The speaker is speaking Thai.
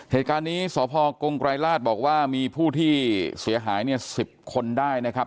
เหตุการณ์นี้สพกงไกรราชบอกว่ามีผู้ที่เสียหายเนี่ย๑๐คนได้นะครับ